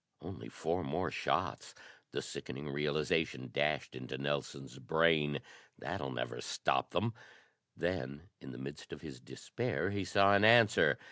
"Only four more shots!" The sickening realization dashed into Nelson's brain. "That'll never stop them." Then in the midst of his despair he saw an answer.